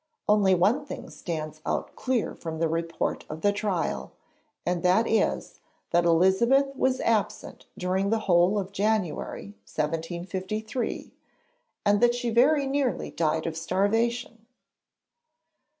Only one thing stands out clear from the report of the trial, and that is, that Elizabeth was absent during the whole of January 1753, and that she very nearly died of starvation.